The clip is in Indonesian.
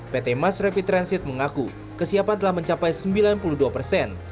pt mass rapid transit mengaku kesiapan telah mencapai sembilan puluh dua persen